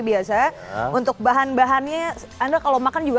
biasa untuk bahan bahannya anda kalau makan juga